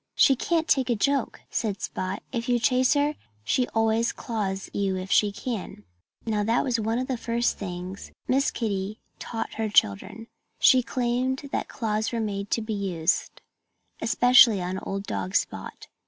"She can't take a joke," said Spot. "If you chase her, she always claws you if she can." Now, that was one of the first things Miss Kitty taught her children. She claimed that claws were made to be used especially on old dog Spot.